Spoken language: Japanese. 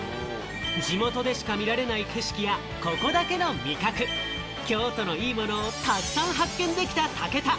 地元でしか見られない景色や、ここだけの味覚、京都のいいものをたくさん発見できた武田。